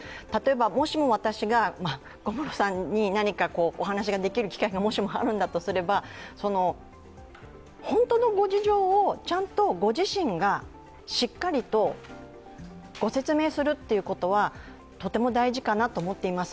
もしも私が小室さんにお話ができる機会がもしもあるんだとすれば本当のご事情をちゃんとご自身がしっかりとご説明するということはとても大事かなと思っています。